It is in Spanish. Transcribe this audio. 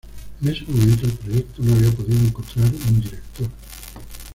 En ese momento, el proyecto no había podido encontrar un director.